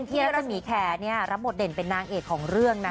พี่รัศห์ศรีแขเนี่ยรับหมดเด่นเป็นนางเอกของเรื่องนะค่ะ